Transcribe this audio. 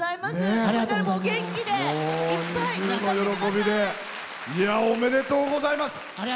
ありがとうございます。